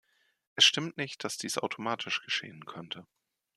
Es stimmt nicht, dass dies automatisch geschehen könnte.